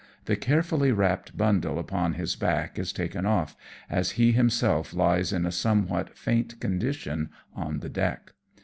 The carefully wrapped bundle upon his back is taken off, as he himself lies in a somewhat faint condition on the deck.